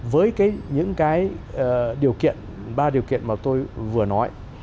với những cái điều kiện ba điều kiện mà tôi vừa nói